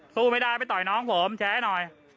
สู้ไม่ได้ไปต่อยน้องผมแชร์หน่อย